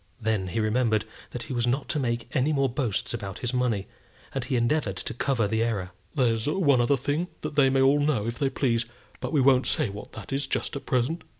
Then he remembered that he was not to make any more boasts about his money, and he endeavoured to cover the error. "There's one other thing they may all know if they please, but we won't say what that is just at present."